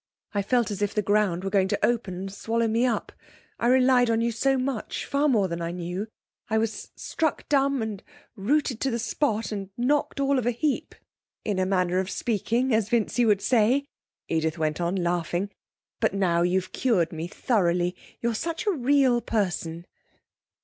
I felt as if the ground were going to open and swallow me up. I relied on you so much, far more than I knew! I was struck dumb, and rooted to the spot, and knocked all of a heap, in a manner of speaking, as Vincy would say,' Edith went on, laughing. 'But now, you've cured me thoroughly; you're such a real person.'